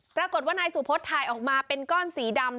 ปรากฏว่านายสุพศถ่ายออกมาเป็นก้อนสีดำ